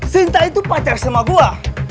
sinta itu pacar sama gue